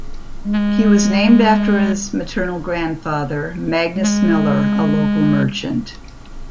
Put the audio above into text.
He was named after his maternal grandfather, Magnus Miller, a local merchant.